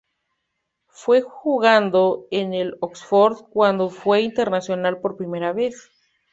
Fue jugando en el Oxford cuando fue internacional por primera vez.